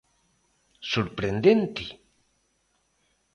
¿Sorprendente?